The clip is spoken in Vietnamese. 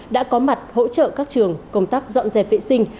đã có mặt hỗ trợ các trường công tác dọn dẹp vệ sinh